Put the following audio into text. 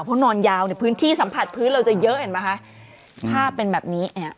เพราะนอนยาวเนี่ยพื้นที่สัมผัสพื้นเราจะเยอะเห็นไหมคะภาพเป็นแบบนี้เนี่ย